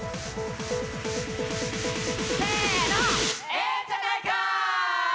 ええじゃないか！